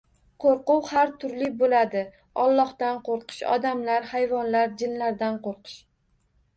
Qo‘rquv har turli bo‘ladi: Allohdan qo‘rqish, odamlar, hayvonlar, jinlardan qo‘rqish.